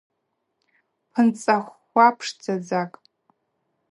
Пынцӏа хвхва пшдзадзакӏ.